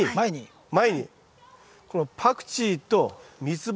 前にこのパクチーとミツバ。